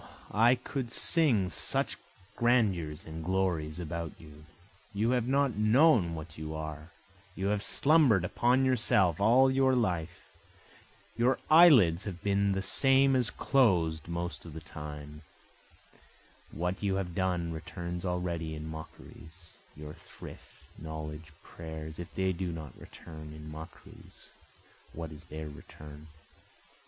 O I could sing such grandeurs and glories about you! You have not known what you are, you have slumber'd upon yourself all your life, Your eyelids have been the same as closed most of the time, What you have done returns already in mockeries, (Your thrift, knowledge, prayers, if they do not return in mockeries, what is their return?)